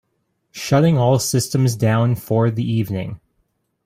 Shutting all systems down for the evening.